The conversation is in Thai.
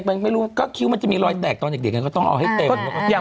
แค่ไม่รู้ก็คิวมันจะมีรอยแสดกตอนเด็กเดียวก็ต้องออกให้เต็มอ่า